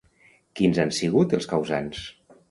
Quins han sigut els causants?